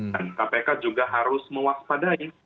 dan kpk juga harus mewaspadai